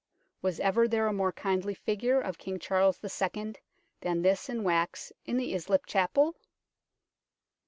Was ever there a more kindly figure of King Charles II. than this in wax in the Islip Chapel